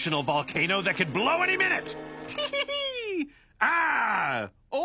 あ！